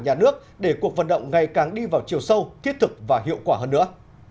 nhà nước để cuộc vận động ngày càng đi vào chiều sâu thiết thực và hiệu quả hơn nữa